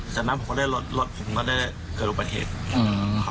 จากนั้นผมก็ได้ลดผมก็ได้เกิดลงไปเขต